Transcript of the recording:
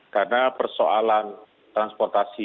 karena persoalan transportasi